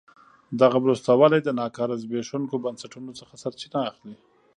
دغه وروسته والی د ناکاره زبېښونکو بنسټونو څخه سرچینه اخلي.